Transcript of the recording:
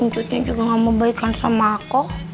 cucu juga gak membaikan sama aku